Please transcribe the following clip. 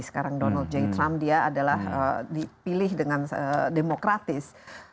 sekarang donald jay trump dia adalah dipilih dengan demokratis